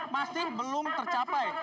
masih belum tercapai